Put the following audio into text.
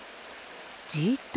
じーっと